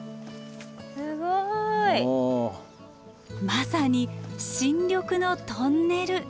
まさに新緑のトンネル。